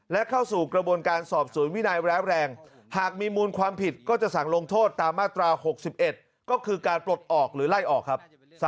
และเข้าสู่กระบวนการสอบสวนวินัยร้ายแรงหากมีมูลความผิดก็จะสั่งลงโทษตามมาตรา๖๑ก็คือการปลดออกหรือไล่ออกครับ